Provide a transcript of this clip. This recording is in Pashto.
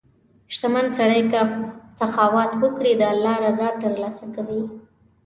• شتمن سړی که سخاوت وکړي، د الله رضا ترلاسه کوي.